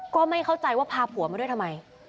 ก็ไม่เข้าใจว่าพาผัวมาด้วยทำไม